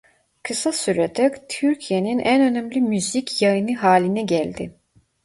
Kısa sürede Türkiye'nin en önemli müzik yayını haline geldi.